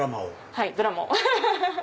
はいドラマを。